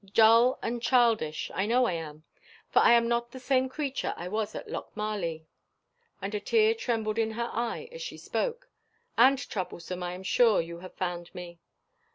Dull and childish, I know I am; for I am not the same creature I was at Lochmarlie" and a tear trembled in her eye as she spoke "and troublesome, I am sure, you have found me."